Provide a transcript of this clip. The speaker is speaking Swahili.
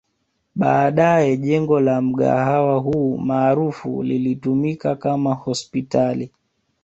Baadae jengo la mgahawa huu maarufu lilitumika kama hospitali